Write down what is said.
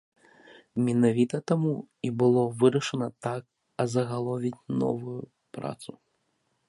Менавіта таму і было вырашана так азагаловіць новую працу.